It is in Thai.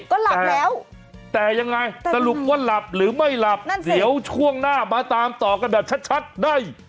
ก็หลับแล้วแต่ยังไงสรุปว่าหลับหรือไม่หลับเดี๋ยวช่วงหน้ามาตามต่อกันแบบชัดได้